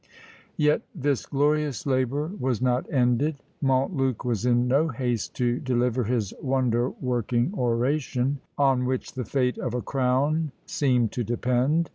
Yet this glorious labour was not ended; Montluc was in no haste to deliver his wonder working oration, on which the fate of a crown seemed to depend.